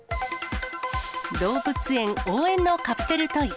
動物園応援のカプセルトイ。